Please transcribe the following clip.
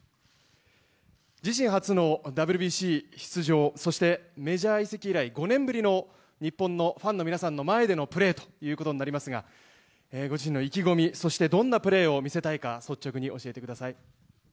自身初のＷＢＣ出場、そしてメジャー移籍以来、５年ぶりの日本のファンの皆さんの前でのプレーということになりますが、ご自身の意気込み、そしてどんなプレーを見せたいか、率直に教え